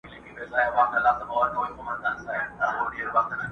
دژوندون باقي سفره نور به لوری پر دې خوا کم.